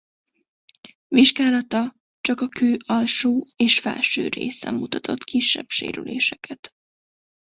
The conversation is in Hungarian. Vizsgálata csak a kő alsó és felső részen mutatott kisebb sérüléseket.